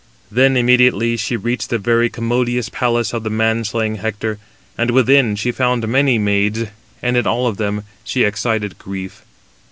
Then immediately she reached the very commodious palace of man slaying Hector, and within she found many maids, and in all of them she excited grief.